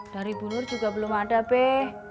dari bu nur juga belum ada peh